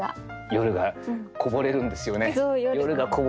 夜がこぼれるんですよ。